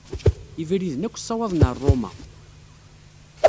Ibriden akk ssawaḍen ɣer Ṛuma.